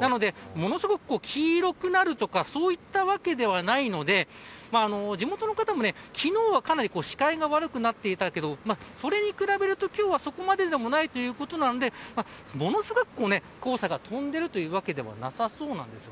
なので、ものすごく黄色くなるとかそういったわけではないので地元の方も昨日はかなり視界が悪くなっていたけどそれに比べると、今日はそこまででもないということなのでものすごく黄砂が飛んでいるというわけではなさそうなんです。